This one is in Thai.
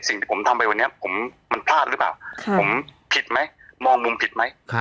สิ่งที่ผมทำไปวันนี้ผมมันพลาดหรือเปล่าผมผิดไหมมองมุมผิดไหม